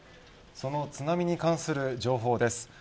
その津波に関する情報です。